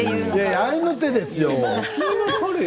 合いの手ですよ。